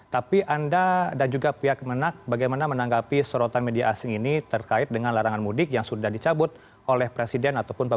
tapi anda dan juga pihak menak bagaimana menanggapi sorotan media asing ini terkait dengan larangan mudik yang sudah dicabut oleh presiden ataupun pemerintah